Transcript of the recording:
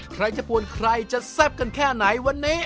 ใครจะปวนใครจะแซ่บกันแค่ไหนวันนี้